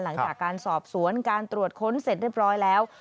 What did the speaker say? หลังจากการสอบสวนการตรวจค้นเสร็จเรียบร้อยแล้ว